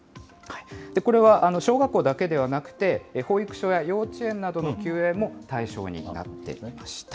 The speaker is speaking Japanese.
これは小学校だけではなくて、保育所や幼稚園などの休園も対象になっていました。